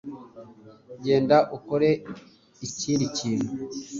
genda ukore ikindi kintu